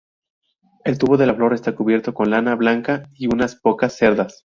El tubo de la flor está cubierto con lana blanca y unas pocas cerdas.